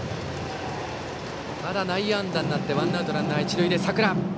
ただ内野安打になってワンアウト一塁で佐倉。